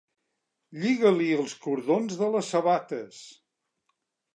Lliga-li els cordons de les sabates.